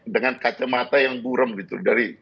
dengan kacamata yang burem gitu